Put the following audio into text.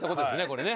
これね。